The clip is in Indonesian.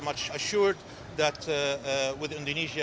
bahwa dengan indonesia